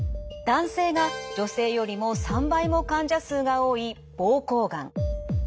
男性が女性よりも３倍も患者数が多い膀胱がん。